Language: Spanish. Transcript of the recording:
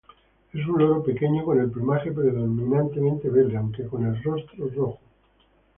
Es un loro pequeño con el plumaje predominantemente verde aunque con el rostro rojo.